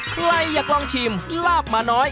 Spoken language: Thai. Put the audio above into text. ใครอยากลองชิมลาบหมาน้อย